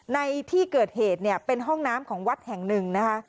ในที่เกิดเหตุเนี่ยเป็นห้องน้ำของวัดแห่งหนึ่งนะคะ